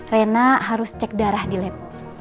rena harus cek darah di lab